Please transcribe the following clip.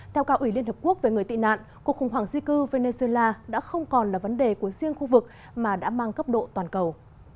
theo cạo ủy liên hợp quốc về người tị nạn cuộc khủng hoảng di cư venezuela đã không còn là vấn đề của riêng khu vực mà đã mang cấp độ toàn cầu